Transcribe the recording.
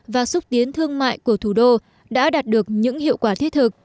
và xúc tiến thương mại của thủ đô đã đạt được những hiệu quả thiết thực